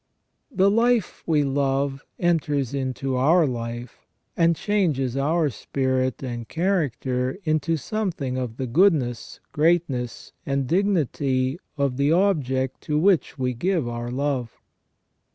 The life we love enters into our life and changes our spirit and character into something of the goodness, greatness, and dignity of the object to which we give our love.